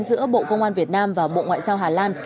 giữa bộ công an việt nam và bộ ngoại giao hà lan